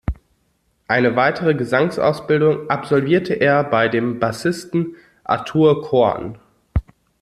Eine weitere Gesangsausbildung absolvierte er bei dem Bassisten "Arthur Korn".